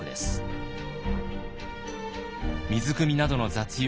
水くみなどの雑用